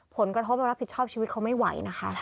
ผลกระทบเรารับผิดชอบชีวิตเขาไม่ไหวนะคะ